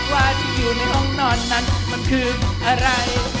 ว่าที่อยู่ในห้องนอนนั้นมันคืออะไร